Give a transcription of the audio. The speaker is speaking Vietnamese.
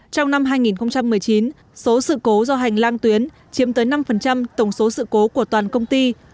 trong năm hai nghìn một mươi chín số sự cố do hành lang tuyến chiếm tới năm tổng số sự cố của toàn công ty